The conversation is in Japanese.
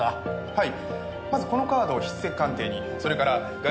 はい。